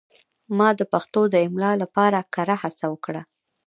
ما د پښتو د املا لپاره کره هڅه وکړه.